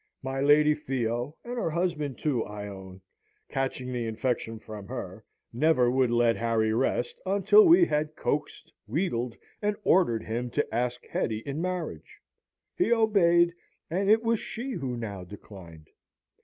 My Lady Theo, and her husband too, I own, catching the infection from her, never would let Harry rest, until we had coaxed, wheedled, and ordered him to ask Hetty in marriage. He obeyed, and it was she who now declined.